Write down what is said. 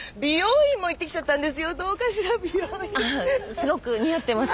すごく似合ってます。